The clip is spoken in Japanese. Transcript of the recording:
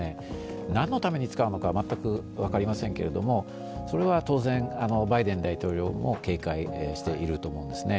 何のために使うのか、全く分かりませんけれども、それは当然、バイデン大統領も警戒していると思うんですね。